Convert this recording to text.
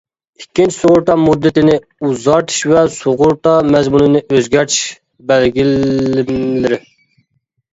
ئىككىنچى، سۇغۇرتا مۇددىتىنى ئۇزارتىش ۋە سۇغۇرتا مەزمۇنىنى ئۆزگەرتىش بەلگىلىمىلىرى.